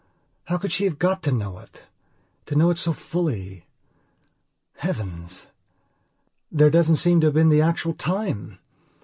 How could she have got to know it? To know it so fully. Heavens! There doesn't seem to have been the actual time.